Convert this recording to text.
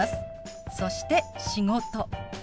そして「仕事」。